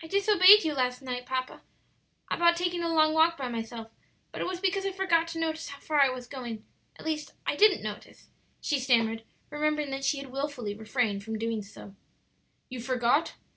"I disobeyed you last night, papa, about taking a long walk by myself; but it was because I forgot to notice how far I was going; at least, I didn't notice," she stammered, remembering that she had wilfully refrained from so doing. "You forgot?